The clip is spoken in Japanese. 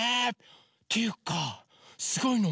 っていうかすごいのワンワン？